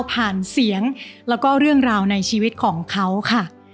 เสียงแล้วก็เรื่องราวในชีวิตของเขาค่ะ